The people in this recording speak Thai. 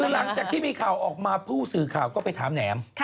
หลังจากที่มีข่าวออกมาผู้สื่อข่าวก็ไปถามแหนม